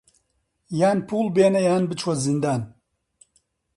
یان پووڵ بێنە یان بچۆ زیندان